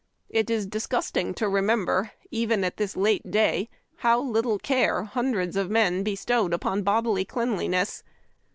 It is disgusting to remem ber, even at this late day, how little care lum dreds of the men be stowed on bodily clean liness.